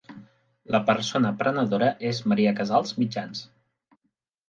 La persona prenedora és Maria Casals Mitjans?